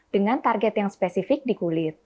dengan target yang spesifik di kulit